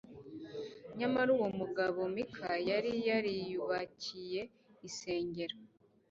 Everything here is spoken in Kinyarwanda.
nyamara uwo mugabo mika, yari yariyubakiye isengero